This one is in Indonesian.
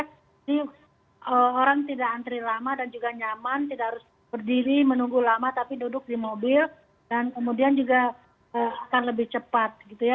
jadi orang tidak antri lama dan juga nyaman tidak harus berdiri menunggu lama tapi duduk di mobil dan kemudian juga akan lebih cepat gitu ya